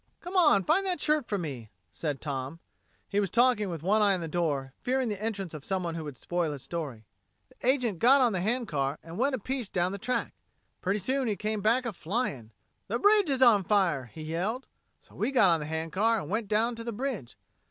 "Come on, find that shirt for me," said Tom. He was talking with one eye on the door, fearing the entrance of someone who would spoil his story. "The agent got on the hand car and went a piece down the track. Pretty soon he came back a flying. 'The bridge is on fire!' he yelled. So we got on the hand car, and went down to the bridge.